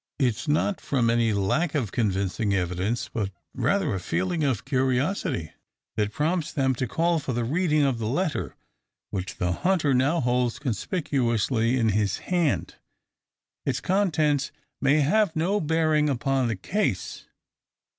It is not from any lack of convincing evidence, but rather a feeling of curiosity, that prompts them to call for the reading of the letter, which the hunter now holds conspicuously in his hand. Its contents may have no bearing upon the case.